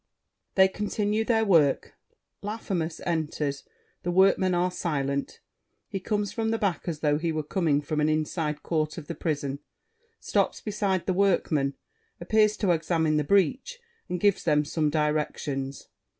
[They continue their work. Laffemas enters; The Workmen are silent. He comes from the back as though he were coming from an inside court of the prison; stops beside The Workmen, appears to examine the breach, and gives them some directions.